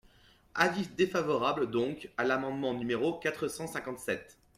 Avis défavorable donc à l’amendement numéro quatre cent cinquante-sept.